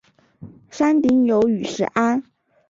山顶有雨石庵。